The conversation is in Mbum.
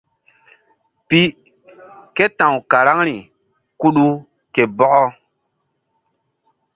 Pi ke ta̧w karaŋri Kuɗu ke Bɔkɔ.